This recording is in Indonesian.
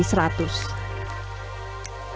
jumlah itu belum termasuk pekerja